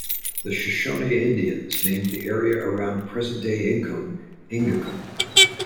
The Shoshone Indians named the area around present day Inkom, "Ingacom".